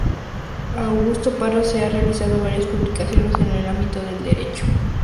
Augusto Parra ha realizado varias publicaciones en el ámbito del derecho.